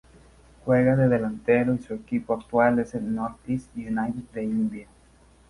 Juega de delantero y su equipo actual es el NorthEast United de India.